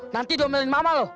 nanti domelin mama lu